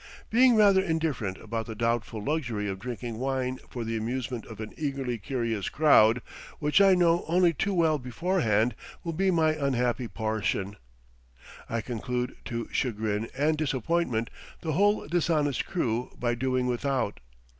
Being rather indifferent about the doubtful luxury of drinking wine for the amusement of an eagerly curious crowd, which I know only too well beforehand will be my unhappy portion, I conclude to chagrin and disappoint the whole dishonest crew by doing without.